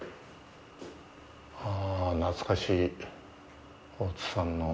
ああ、懐かしい、大津さんの。